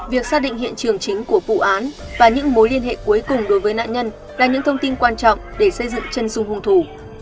việc xác định hiện trường chính của vụ án và những mối liên hệ cuối cùng đối với nạn nhân là những thông tin quan trọng để xây dựng chân dung hung thủ